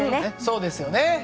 そうですよね。